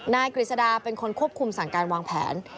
กฤษดาเป็นคนควบคุมสั่งการวางแผน